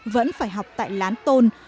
vẫn phải học tại lán tôn